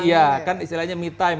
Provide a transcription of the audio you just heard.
iya kan istilahnya me time